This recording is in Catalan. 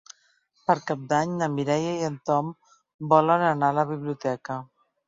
Per Cap d'Any na Mireia i en Tom volen anar a la biblioteca.